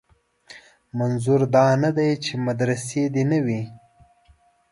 منظور دا نه دی چې مدرسې دې نه وي.